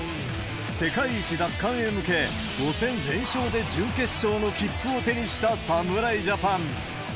世界一奪還へ向け、５戦全勝で準決勝の切符を手にした侍ジャパン。